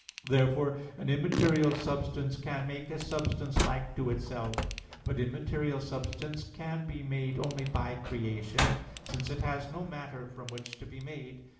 Therefore an immaterial substance can make a substance like to itself. But immaterial substance can be made only by creation, since it has no matter from which to be made.